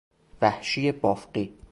وحشی بافقی